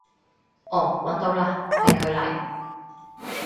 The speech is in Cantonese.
哦搵到嘞，係佢嚟